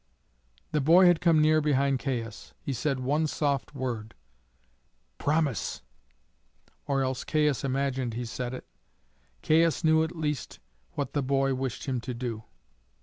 The boy had come near behind Caius. He said one soft word, "Promise!" or else Caius imagined he said it. Caius knew at least what the boy wished him to do.